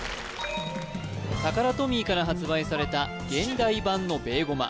タカラトミーから発売された現代版のベーゴマ